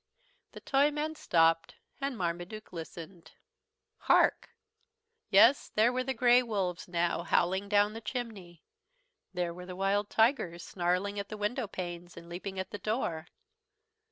The Toyman stopped and Marmaduke listened. "Hark!" Yes, there were the grey wolves now, howling down the chimney. There were the wild tigers, snarling at the window panes and leaping at the door.